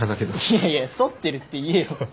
いやいや剃ってるって言えよ。